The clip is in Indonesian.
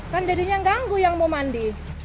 kan jadinya ganggu yang mau mandi